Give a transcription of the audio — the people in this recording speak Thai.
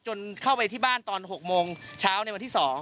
เข้าไปที่บ้านตอน๖โมงเช้าในวันที่๒